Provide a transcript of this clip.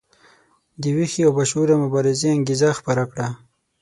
د ویښې او باشعوره مبارزې انګیزه خپره کړه.